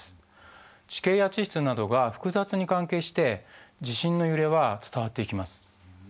地形や地質などが複雑に関係して地震の揺れは伝わっていきます。